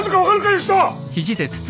吉田！